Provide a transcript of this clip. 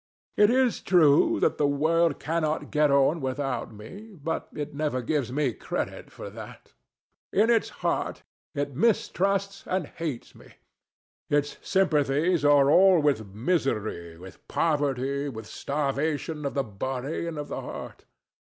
It is true that the world cannot get on without me; but it never gives me credit for that: in its heart it mistrusts and hates me. Its sympathies are all with misery, with poverty, with starvation of the body and of the heart.